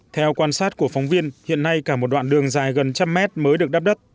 theo quan sát của phóng viên hiện nay cả một đoạn đường dài gần một trăm linh mét mới được đắp đất